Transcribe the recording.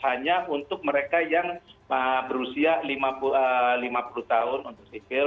hanya untuk mereka yang berusia lima puluh tahun untuk sipil